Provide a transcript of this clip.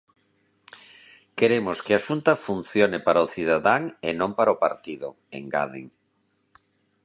"Queremos que a Xunta funcione para o cidadán e non para un partido", engaden.